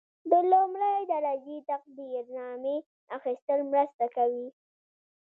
د لومړۍ درجې تقدیرنامې اخیستل مرسته کوي.